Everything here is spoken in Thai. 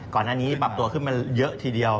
ก่อนหน้านี้ปรับตัวขึ้นมาเยอะทีเดียว